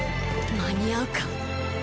間に合うか？